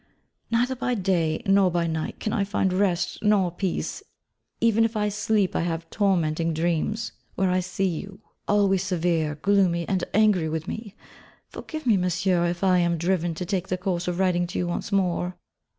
Neither by day, nor by night can I find rest nor peace: even if I sleep, I have tormenting dreams, where I see you, always severe, gloomy, angry with me. Forgive me, Monsieur, if I am driven to take the course of writing to you once more.